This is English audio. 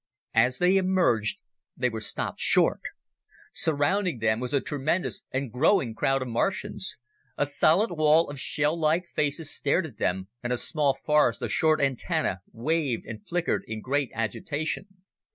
As they emerged they were stopped short. Surrounding them was a tremendous and growing crowd of Martians. A solid wall of shell like faces stared at them, and a small forest of short antennae waved and flickered in great agitation.